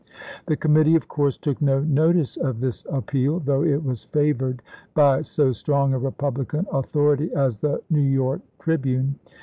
The committee, of course, took no notice of this appeal, though it was favored by so strong a Republican 1864. ' authority as the "New York Tribune."